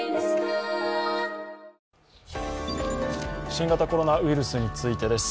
新型コロナウイルスについてです。